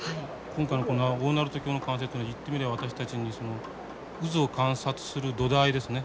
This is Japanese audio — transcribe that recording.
今回のこの大鳴門橋の完成というのは言ってみれば私たちにその渦を観察する土台ですね